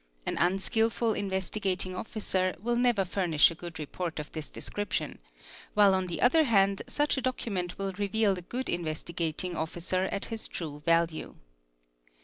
An unskilful Investigating FA Officer will never furnish a good report of this description, while on the other hand such a document will reveal a good Investigating Officer at lis true value.